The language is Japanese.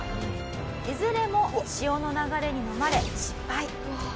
いずれも潮の流れにのまれ失敗。